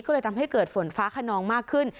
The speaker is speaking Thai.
ก็เลยทำให้เกิดฝนฟ้าขนองมากขึ้น